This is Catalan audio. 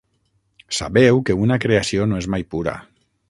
Sabeu que una creació no és mai pura.